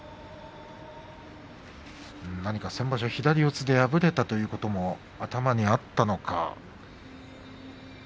何か先場所、左四つで敗れたということも頭にあったのか。